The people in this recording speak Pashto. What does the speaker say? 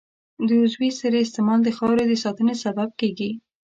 د عضوي سرې استعمال د خاورې د ساتنې سبب کېږي.